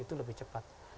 itu lebih cepat